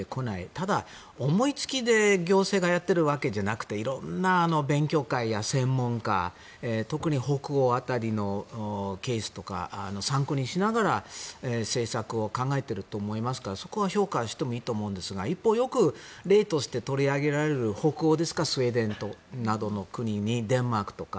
ただ、思いつきで行政がやっているわけじゃなくて色んな勉強会や専門家特に北欧辺りのケースとかを参考にしながら政策を考えていると思いますからそこは評価してもいいと思うんですが一方でよく例として挙げられる北欧ですかスウェーデンなどの国デンマークとか。